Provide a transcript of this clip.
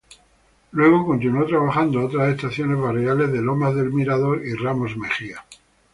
Luego continuó trabajando otras estaciones barriales de Lomas del Mirador y Ramos Mejía.